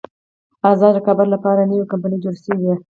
ازاد رقابت لپاره نوې کمپنۍ جوړه شوه.